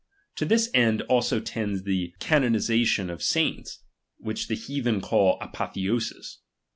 To this end also tends the ca nonization of saints, which the heathen called apotheosis.